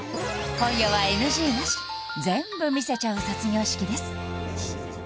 今夜はＮＧなし全部見せちゃう卒業式です